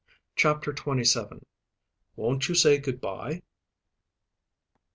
CHAPTER TWENTY SEVEN. WON'T YOU SAY GOOD BYE?